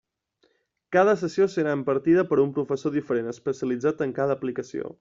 Cada sessió serà impartida per un professor diferent especialitzat en cada aplicació.